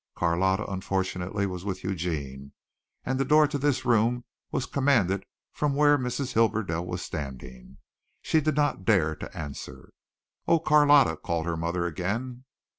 Carlotta unfortunately was with Eugene and the door to this room was commanded from where Mrs. Hibberdell was standing. She did not dare to answer. "Oh, Carlotta," called her mother again.